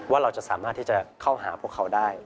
ว่าเราจะสามารถที่จะเข้าหาพวกเขาได้